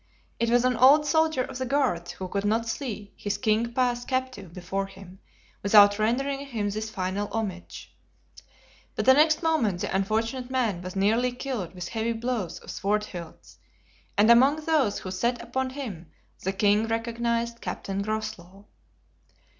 It was an old soldier of the guards who could not see his king pass captive before him without rendering him this final homage. But the next moment the unfortunate man was nearly killed with heavy blows of sword hilts, and among those who set upon him the king recognized Captain Groslow.